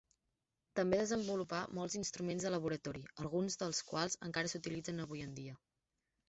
També desenvolupà molts instruments de laboratori, alguns dels quals encara s'utilitzen avui en dia.